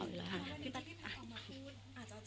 พี่พัทย์ออกมาพูดอาจจะ๓วันติดกัน